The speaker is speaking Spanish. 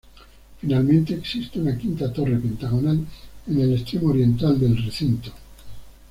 Finalmente, existe una quinta torre, pentagonal, en el extremo oriental del recinto.